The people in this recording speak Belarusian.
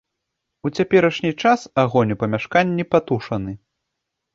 У цяперашні час агонь у памяшканні патушаны.